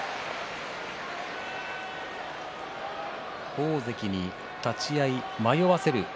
大関に立ち合い迷わせる。